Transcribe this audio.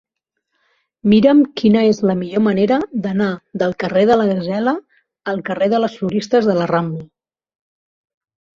Mira'm quina és la millor manera d'anar del carrer de la Gasela al carrer de les Floristes de la Rambla.